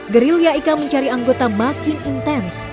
gerilya ika mencari anggota makin intens